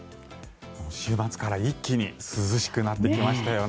週末から一気に涼しくなってきましたよね。